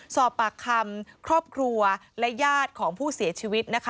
สอบปากคำครอบครัวและญาติของผู้เสียชีวิตนะคะ